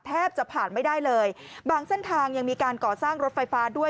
แทบจะผ่านไม่ได้เลยบางเส้นทางยังมีการก่อสร้างรถไฟฟ้าด้วย